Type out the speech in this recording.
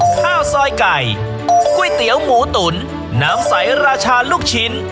ข้าวซอยไก่ก๋วยเตี๋ยวหมูตุ๋นน้ำใสราชาลูกชิ้น